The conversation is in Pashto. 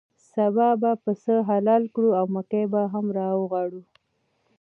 سبا به پسه حلال کړو او مکۍ به هم راوغواړو.